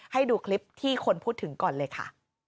ให้ดูคลิปที่คนพูดถึงก่อนเลยค่ะ